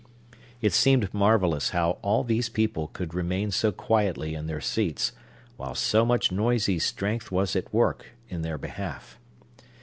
It seemed marvellous how all these people could remain so quietly in their seats, while so much noisy strength was at work in their behalf.